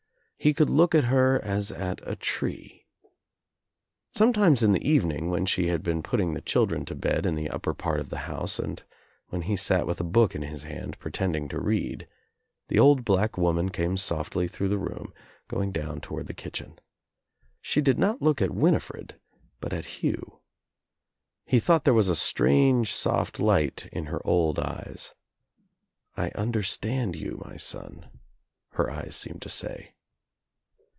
He could look at her as at a tree. Sometimes in the evening when she had been putting the children to bed in the upper part of the house and when he sat with a book in his hand pretending to read, the old black woman came softly through the room, going toward the kitchen. She did not look at Winifred, but at Hugh. He thought there was a strange, soft light in her old eyes. "I understand you, my son," her eyes seemed to say.